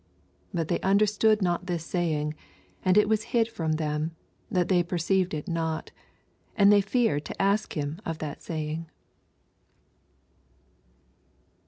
45 But they understood not this saying, and it was hid from them, that they perceived it not : and they feared to ask him of that saying.